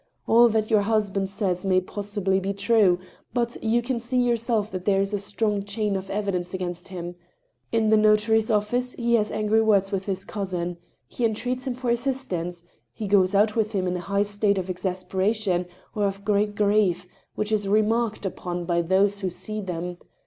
... All that your husband says may possibly be true ; but you can see yourself that there is a strong chain of evidence against him. ... In the notary's office he has angry words with his cousin. He entreats him for assistance ;... he goes out with him in a high state of exas peration, or of great grief, which is remarked upon by those who see them.